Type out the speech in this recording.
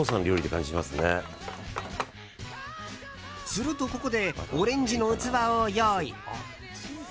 すると、ここでオレンジの器を用意。